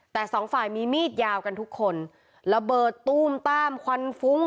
แต่สองฝ่ายมีมีดยาวกันทุกคนระเบิดตู้มต้ามควันฟุ้ง